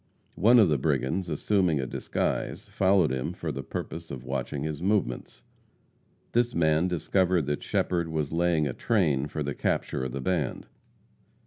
One of the brigands, assuming a disguise, followed him for the purpose of watching his movements. This man discovered that Shepherd was laying a train for the capture of the band.